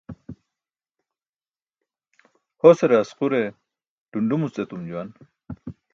Hosare asqure ḍunḍumuc etum juwan.